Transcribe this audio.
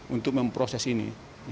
untuk memproses ini